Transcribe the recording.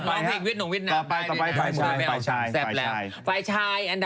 ไม่ใช่ผมว่าไฟชายใช่ไหม